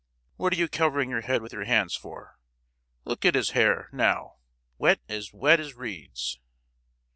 What are you covering your head with your hands for? Look at his hair—now: wet, as wet as reeds!